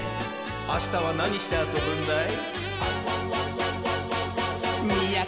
あしたはなにしてあそぶんだい？